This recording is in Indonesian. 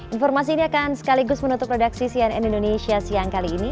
informasi ini akan sekaligus menutup produksi cnn indonesia siang kali ini